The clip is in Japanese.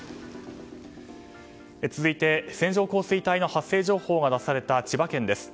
続いて、線状降水帯の発生情報が出された千葉県です。